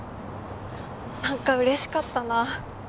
なんか嬉しかったな。